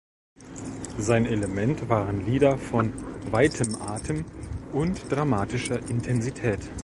Sein Element waren Lieder von weitem Atem und dramatischer Intensität.